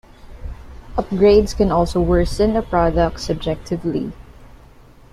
Upgrades can also worsen a product subjectively.